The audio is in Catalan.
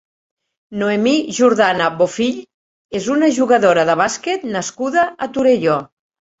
Noemí Jordana Bofill és una jugadora de bàsquet nascuda a Torelló.